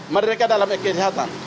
merdeka dalam kekejahatan